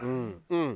うん。